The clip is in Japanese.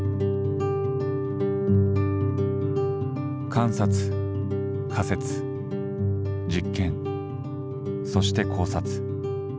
観察仮説実験そして考察。